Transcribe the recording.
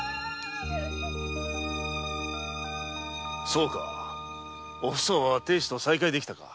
そうかお房は亭主と再会できたか。